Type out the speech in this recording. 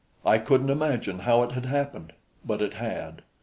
I couldn't imagine how it had happened; but it had.